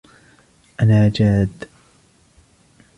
أنا جاد.